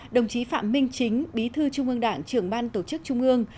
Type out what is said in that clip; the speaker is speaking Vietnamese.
đồng chí phạm minh chính bí thư trung ương đảng trưởng ban tổ chức trung ương